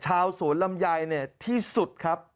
ชาวสวนลำไยเนี่ยที่สุดครับ